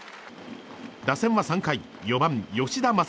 打線は３回、４番、吉田正尚。